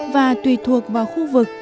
và tùy thuộc vào khu vực